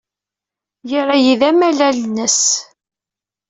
Yerra-iyi d amalal-nnes.